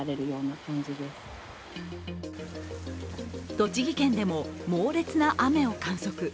栃木県でも猛烈な雨を観測。